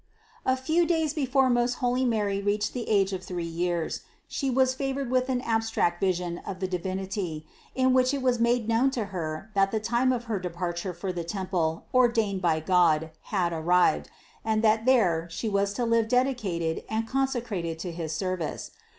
407. A few days before most holy Mary reached the age of three years, She was favored with an abstract vis 320 CITY OF GOD ion of the Divinity, in which it was made known to Her that the time of her departure for the temple ordained by God, had arrived, and that there She was to live dedi cated and consecrated to his service.